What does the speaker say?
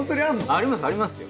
ありますありますよ。